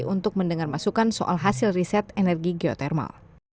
untuk mendengar masukan soal hasil riset energi geotermal